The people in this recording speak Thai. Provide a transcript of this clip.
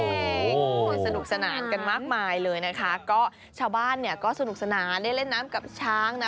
สนุกสนานกันมากมายเลยนะคะก็ชาวบ้านเนี่ยก็สนุกสนานได้เล่นน้ำกับช้างนะ